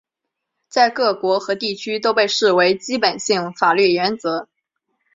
在各国和地区都被视为基本性法律原则。